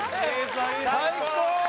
・最高！